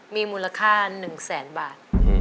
มีมูลค่าหนึ่งแสนบาท